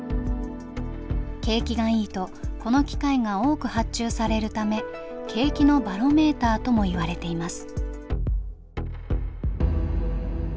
景気がいいとこの機械が多く発注されるため景気のバロメーターともいわれています。